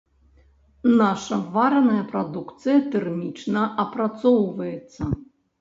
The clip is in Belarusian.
Наша вараная прадукцыя тэрмічна апрацоўваецца.